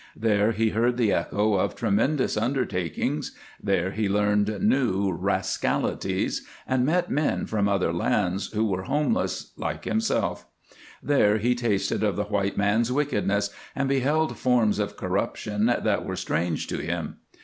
There he heard the echo of tremendous undertakings; there he learned new rascalities, and met men from other lands who were homeless, like himself; there he tasted of the white man's wickedness, and beheld forms of corruption that were strange to him.